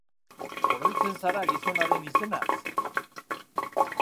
Oroitzen zara gizon haren izenaz?